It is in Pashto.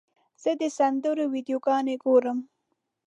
زه د سندرو ویډیوګانې ګورم.